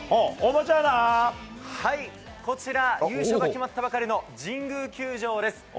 はい、こちら、優勝が決まったばかりの、神宮球場です。